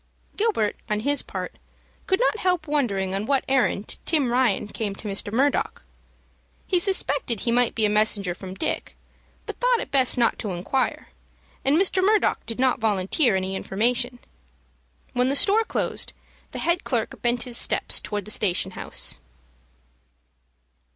Gilbert, on his part, could not help wondering on what errand Tim Ryan came to Mr. Murdock. He suspected he might be a messenger from Dick, but thought it best not to inquire, and Mr. Murdock did not volunteer any information. When the store closed, the head clerk bent his steps towards the station house.